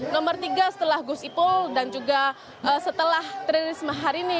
nomor tiga setelah gusipul dan juga setelah trinisme hari ini